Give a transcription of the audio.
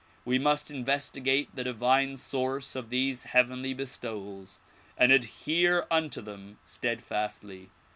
We must inves tigate the divine source of these heavenly bestowals and adhere unto them steadfastly.